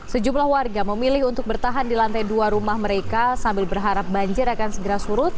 sejumlah warga memilih untuk bertahan di lantai dua rumah mereka sambil berharap banjir akan segera surut